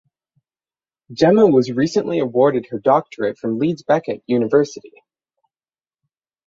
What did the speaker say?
Gemma was recently awarded her doctorate from Leeds Beckett University.